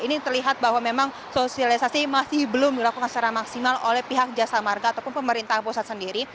ini terlihat bahwa memang sosialisasi masih belum dilakukan secara maksimal oleh pihak jasa marga ataupun pemerintah pusat sendiri